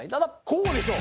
こうでしょ！